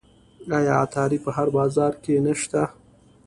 آیا عطاري په هر بازار کې نشته؟